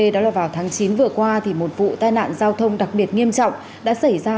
đó là vào tháng chín vừa qua một vụ tai nạn giao thông đặc biệt nghiêm trọng đã xảy ra